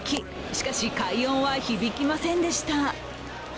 しかし、快音は響きませんでした。